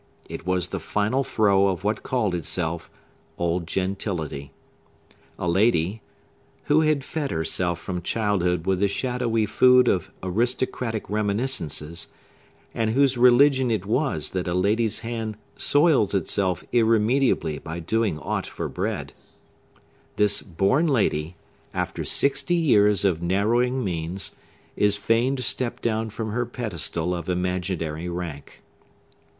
It was the final throe of what called itself old gentility. A lady—who had fed herself from childhood with the shadowy food of aristocratic reminiscences, and whose religion it was that a lady's hand soils itself irremediably by doing aught for bread,—this born lady, after sixty years of narrowing means, is fain to step down from her pedestal of imaginary rank.